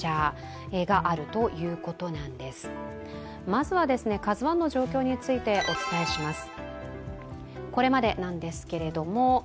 まずは、「ＫＡＺＵⅠ」の状況についてお伝えします。